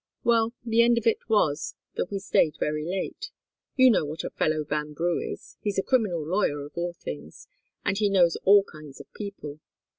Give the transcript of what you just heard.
Well the end of it was that we stayed very late. You know what a fellow Vanbrugh is he's a criminal lawyer, of all things and he knows all kinds of people.